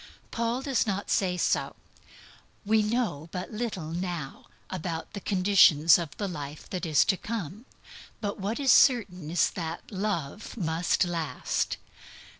Paul does not say so. We know but little now about the conditions of the life that is to come. But what is certain is that Love must last.